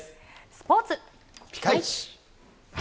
スポーツ、ピカイチ。